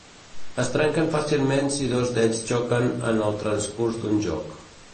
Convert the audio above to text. Es trenquen fàcilment si dos d'ells xoquen en el transcurs d'un joc.